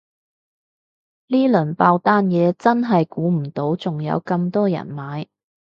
呢輪爆單嘢真係估唔到仲咁多人買